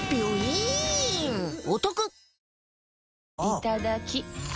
いただきっ！